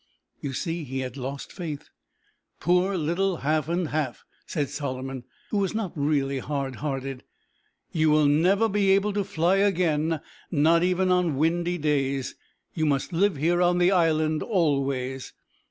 You see, he had lost faith. "Poor little half and half," said Solomon, who was not really hard hearted, "you will never be able to fly again, not even on windy days. You must live here on the island always."